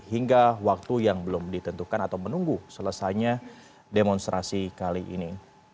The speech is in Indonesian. hingga waktu yang belum ditentukan atau menunggu selesainya demonstrasi kali ini